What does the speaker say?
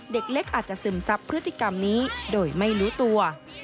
เด็กเล็กอาจจะซึมซับพฤติกรรมนี้โดยไม่รู้ตัว